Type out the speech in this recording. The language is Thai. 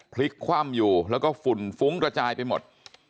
พลิกคว่ำอยู่แล้วก็ฝุ่นฟุ้งกระจายไปหมด